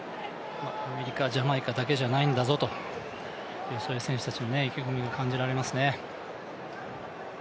アメリカ、ジャマイカだけじゃないんだぞとそういう選手たちの意気込みが感じられますね。